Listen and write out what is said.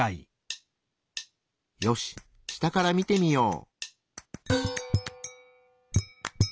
よし下から見てみよう！